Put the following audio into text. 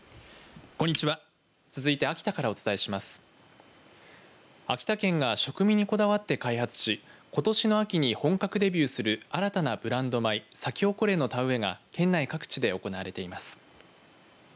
秋田県が食味にこだわって開発しことしの秋に本格デビューする新たなブランド米、サキホコレの田植えが県内各地で行われています。